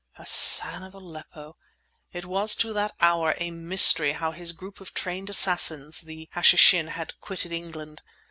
Hassan of Aleppo! It was, to that hour, a mystery how his group of trained assassins—the Hashishin—had quitted England.